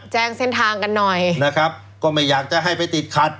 แจ้งเส้นทางกันหน่อยนะครับก็ไม่อยากจะให้ไปติดขัด